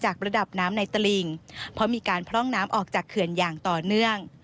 ระดับน้ำในตลิงเพราะมีการพร่องน้ำออกจากเขื่อนอย่างต่อเนื่อง